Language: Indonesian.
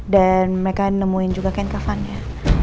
dan mereka nemuin juga kain kafannya